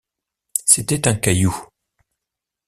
C’était un caillou.